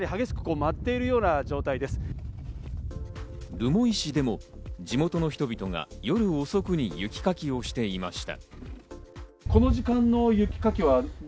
留萌市でも地元の人々が夜遅くに雪かきをしていました。